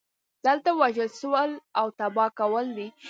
دلته وژل سوځول او تباه کول دي